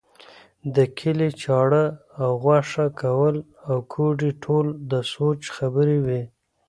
د کلي چاړه او غوښه کول او کوډې ټول د سوچ خبرې وې.